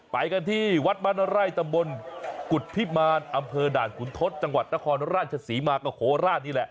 ไปกันที่วัดบ้านไร่ตำบลกุฎพิมารอำเภอด่านขุนทศจังหวัดนครราชศรีมากับโคราชนี่แหละ